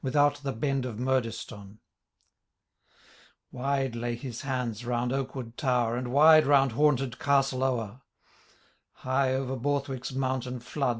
Without the hend of Murdieston.* Wide lay his lands round Oakwood towei. And wide round haunted Castle Ower ; High over Berth wick^s mountain flood.